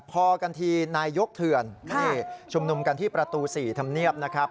พอกันที่นายยกเถือนชุมนุมกันที่ประตู๔ธรรมเนียบ